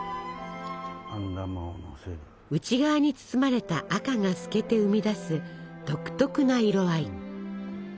内側に包まれた赤が透けて生み出す独特な色合い。